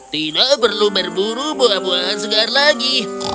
tidak perlu berburu buah buahan segar lagi